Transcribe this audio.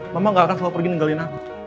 mama gak akan selalu pergi ninggalin aku